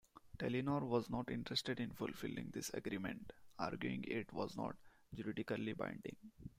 Telenor was not interested in fulfilling this agreement, arguing it was not juridically binding.